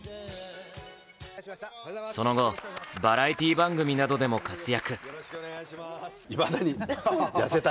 その後、バラエティー番組などでも活躍。